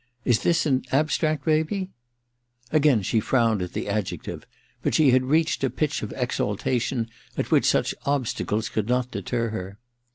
Is this an abstract baby ?' Again she frowned at the adjective ; but she had reached a pitch of exaltation at which such obstacles could not deter her.